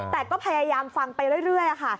แต่ก็พยายามฟังไปเรื่อยค่ะ